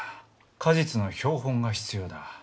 果実の標本が必要だ。